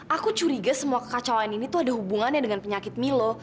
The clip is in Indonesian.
aku curiga semua kekacauan ini tuh ada hubungannya dengan penyakit milo